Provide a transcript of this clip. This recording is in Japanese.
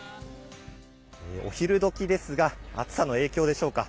お昼時ですが暑さの影響でしょうか。